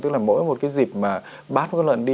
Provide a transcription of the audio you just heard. tức là mỗi một cái dịp mà bắt con lợn đi